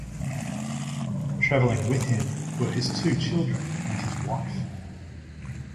Traveling with him were his two children and his "wife".